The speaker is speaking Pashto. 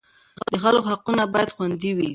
د خلکو حقونه باید خوندي وي.